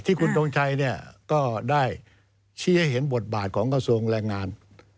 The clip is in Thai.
คุณทงชัยก็ได้ชี้ให้เห็นบทบาทของกระทรวงแรงงาน